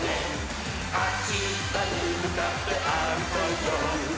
「あしたにむかってあるこうよ」